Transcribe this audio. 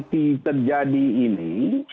yang terjadi ini